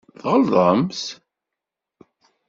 Tɣelḍemt.